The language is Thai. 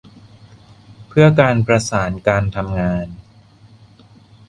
เพื่อการประสานการทำงาน